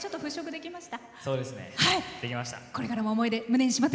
できました。